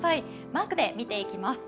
マークで見ていきます。